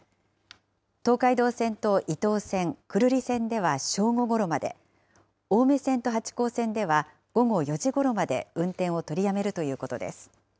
東海道線と伊東線、久留里線では、正午ころまで、青梅線と八高線では午後４時ごろまで運転を取りやめるということです。